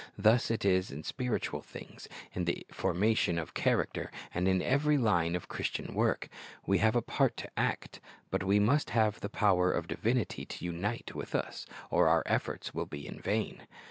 Thus it is in spiritual things, in the formation of character, and in every line of Christian work. We have a part to act, but we must have the power of divinity to unite with us, or our efforts will be in vain.